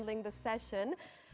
mengatasi sesi ini